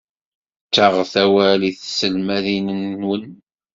Ttaɣet awal i tselmadin-nwen.